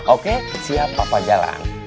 oke siap papa jalan